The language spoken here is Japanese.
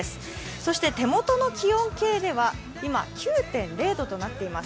そして手元の気温計では今９．０度となっています。